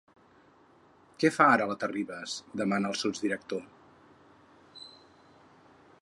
Què fa ara la Terribas? —demana el subdirector.